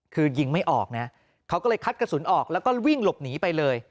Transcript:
คือยิงไม่ออกนะเขาก็เลยคัดกระสุนออกแล้วก็วิ่งหลบหนีไปเลย